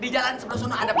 di jalan sebelah ada